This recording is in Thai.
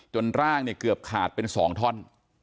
จนร่างเกือบขาดเป็น๒ท่อน